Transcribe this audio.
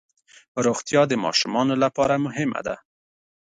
روغتیا د ماشومانو لپاره مهمه ده.